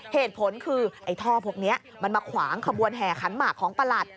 เหตุผลคือไอ้ท่อพวกนี้มันมาขวางขบวนแห่ขันหมากของประหลัด